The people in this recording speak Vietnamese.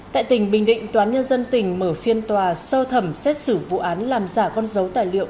tại tỉnh bình định tòa án nhân dân tỉnh mở phiên tòa sơ thẩm xét xử vụ án làm giả con dấu tài liệu